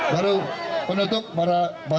baru penutup para tokoh ya